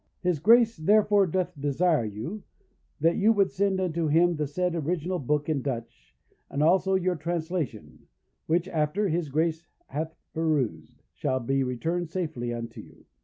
His Grace therefore doth desire you, that you would send unto him the said original book in Dutch, and also your translation; which, after his Grace hath perused, shall be returned safely unto you.